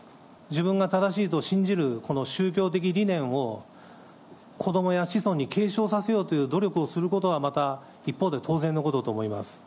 自分が正しいと信じるこの宗教的理念を子どもや子孫に継承させようという努力をすることはまた一方で当然のことと思います。